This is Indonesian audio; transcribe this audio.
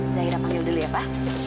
zairah panggil dulu ya pa